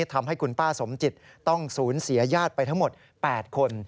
ทำให้คุณป้าสมจิตต้องสูญเสียญาติไปทั้งหมด๘คน